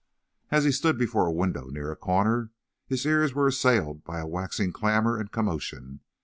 As he stood before a window near a corner, his ears were assailed by a waxing clamour and commotion.